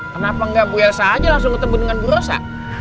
kenapa nggak bu elsa aja langsung ketemu dengan bu elsa